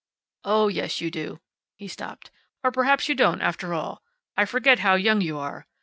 "Oh, yes, you do." He stopped. "Or perhaps you don't, after all. I forget how young you are.